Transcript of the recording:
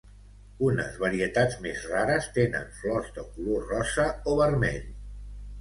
Unes varietats més rares tenen flors de color rosa o vermell.